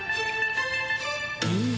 うん。